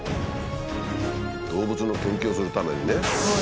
動物の研究をするためにね。